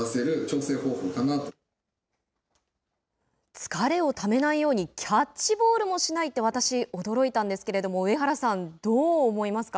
疲れをためないようにキャッチボールもしないって私、驚いたんですけれども上原さん、どう思いますか。